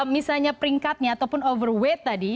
misalnya peringkatnya ataupun overweight tadi